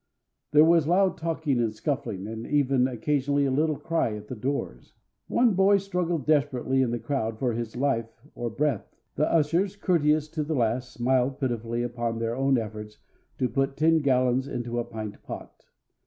There was loud talking and scuffling, and even occasionally a little cry at the doors. One boy struggled desperately in the crowd for his life, or breath. The ushers, courteous to the last, smiled pitifully upon their own efforts to put ten gallons into a pint pot.